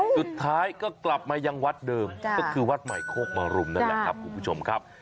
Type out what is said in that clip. สุดท้ายก็กลับมายังวัดเดิมก็คือวัดใหม่โคกมรุมนั่นแหละครับคุณผู้ชมครับ